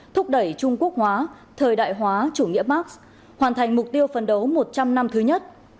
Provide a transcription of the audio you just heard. thúc đẩy trung quốc hóa thời đại hóa chủ nghĩa mark hoàn thành mục tiêu phấn đấu một trăm linh năm thứ nhất